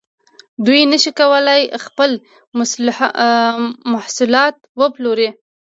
دوی نشي کولای خپل محصولات وپلوري